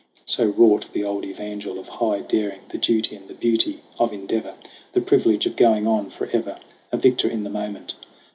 So wrought the old evangel of high daring, The duty and the beauty of endeavor, The privilege of going on forever, A victor in the moment.